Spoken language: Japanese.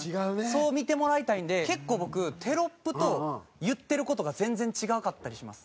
そう見てもらいたいんで結構僕テロップと言ってる事が全然違かったりします。